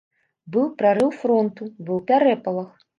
Быў прарыў фронту, быў пярэпалах.